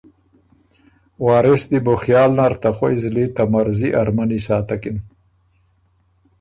وارث دی بو خیال نر ته خوئ زلی ته مرضی ارمني ساتکِن